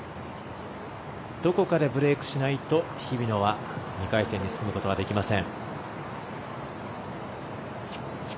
どこかでブレークしないと日比野は２回戦に進むことはできません。